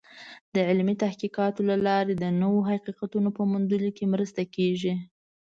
د علمي تحقیقاتو له لارې د نوو حقیقتونو په موندلو کې مرسته کېږي.